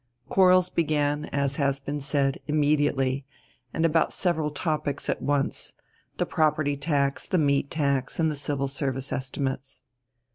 Quarrels began, as has been said, immediately, and about several topics at once: the property tax, the meat tax, and the Civil Service estimates.